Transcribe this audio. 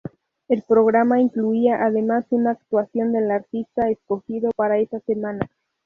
El programa incluía además una actuación del artista escogido para esa semana.